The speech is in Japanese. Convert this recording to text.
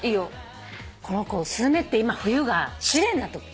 この子スズメって今冬が試練のとき。